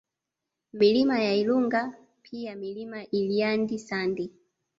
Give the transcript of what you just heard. Milima ya Ilunga pia Mlima Ilyandi Sandi